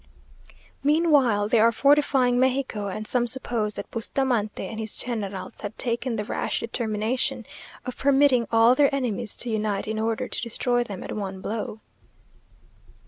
Meanwhile they are fortifying Mexico; and some suppose that Bustamante and his generals have taken the rash determination of permitting all their enemies to unite, in order to destroy them at one blow....